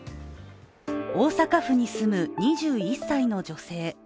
大阪府に住む２１歳の女性。